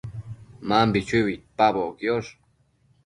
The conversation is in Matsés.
Mambi chui uidpaboc quiosh